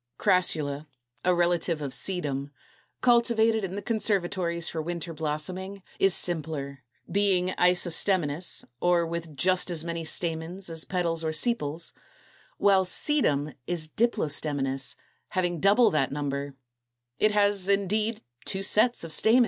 Crassula, a relative of Sedum, cultivated in the conservatories for winter blossoming (Fig. 224) is simpler, being isostemonous, or with just as many stamens as petals or sepals, while Sedum is diplostemonous, having double that number: it has, indeed, two sets of stamens.